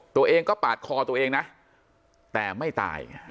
ตัวเองก็ปาดคอตัวเองนะ